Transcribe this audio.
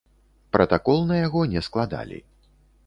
Пратакол на яго не складалі.